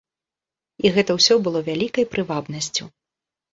І гэта ўсё было вялікай прывабнасцю.